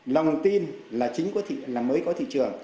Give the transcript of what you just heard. lòng tin là chính là mới có thị trường